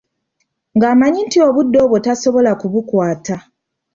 Ng'amanyi nti obudde obwo tasobola kubukwata.